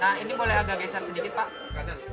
nah ini boleh agak geser sedikit pak